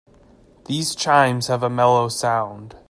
These chimes have a mellow sound.